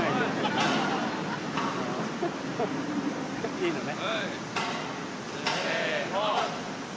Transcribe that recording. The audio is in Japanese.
いいのね。